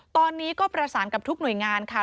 ตอนนี้ก็ประสานกับทุกหน่วยงานค่ะ